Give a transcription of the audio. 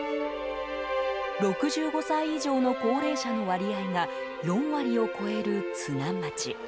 ６５歳以上の高齢者の割合が４割を超える津南町。